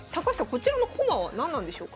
こちらの駒は何なんでしょうか？